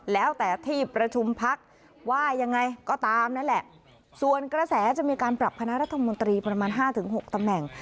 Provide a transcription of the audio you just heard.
แล้วแต่ที่ประชุมพักว่ายังไงก็ตามนั่นแหละส่วนกระแสจะมีการปรับคณะรัฐมนตรีประมาณห้าถึงหกตำแหน่ง